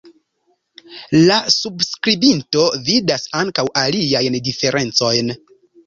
La subskribinto vidas ankaŭ aliajn diferencojn.